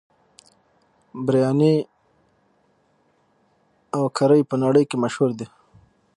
بریاني او کري په نړۍ کې مشهور دي.